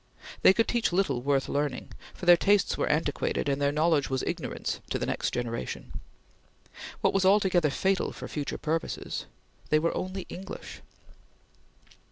They could teach little worth learning, for their tastes were antiquated and their knowledge was ignorance to the next generation. What was altogether fatal for future purposes, they were only English.